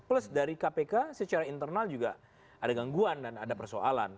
plus dari kpk secara internal juga ada gangguan dan ada persoalan